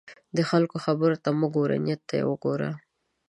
د خلکو خبرو ته مه ګوره، نیت ته یې وګوره.